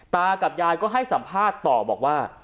ตากับยายก็ให้สัมภาษณ์ต่อบอกว่า